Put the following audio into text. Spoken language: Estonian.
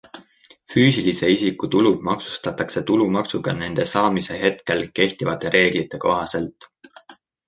Füüsilise isiku tulud maksustatakse tulumaksuga nende saamise hetkel kehtivate reeglite kohaselt.